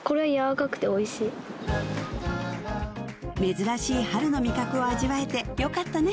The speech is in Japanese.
珍しい春の味覚を味わえてよかったね